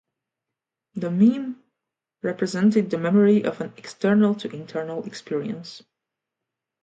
The mneme represented the memory of an external-to-internal experience.